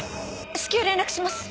至急連絡します！